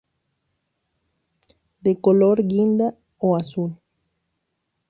De color guinda o azul.